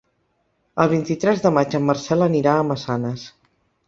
El vint-i-tres de maig en Marcel anirà a Massanes.